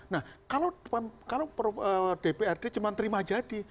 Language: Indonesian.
nah kalau dprd cuma terima jadi